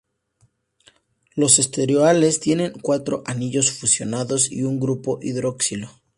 Los esteroles tienen cuatro anillos fusionados y un grupo hidroxilo.